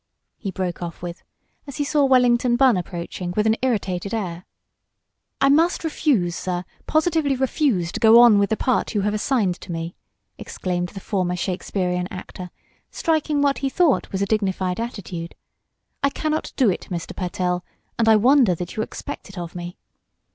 he broke off with, as he saw Wellington Bunn approaching with an irritated air. "I must refuse, sir, positively refuse, to go on with the part you have assigned to me!" exclaimed the former Shakespearean player, striking what he thought was a dignified attitude. "I cannot do it, Mr. Pertell, and I wonder that you expect it of me."